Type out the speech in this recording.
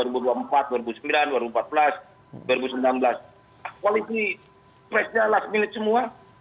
koalisi presnya last minute semua